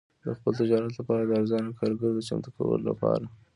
د خپل تجارت لپاره د ارزانه کارګرو د چمتو کولو لپاره.